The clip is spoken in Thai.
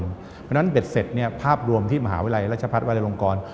เพราะฉะนั้นเบ็ดเสร็จภาพรวมที่มหาวิทยาลัยราชพัฒนวรลงกร